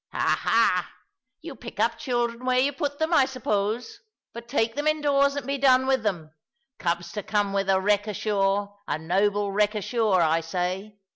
"Ha, ha! you pick up children where you put them, I suppose. But take them indoors and be done with them. Cubs to come with a wreck ashore, a noble wreck ashore, I say!